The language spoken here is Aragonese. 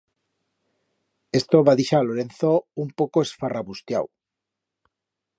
Esto va dixar a Lorenzo un poco esfarrabustiau.